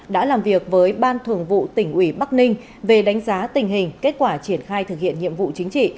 đã làm việc với ban thường vụ tỉnh ủy bắc ninh về đánh giá tình hình kết quả triển khai thực hiện nhiệm vụ chính trị